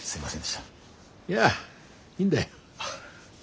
いやいいんだよ。